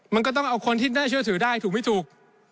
มันก็ต้องเอาคนที่น่าเชื่อถือได้ถูกไม่ถูก